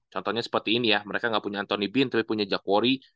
contohnya seperti ini ya mereka gak punya anthony bean tapi punya jack quarry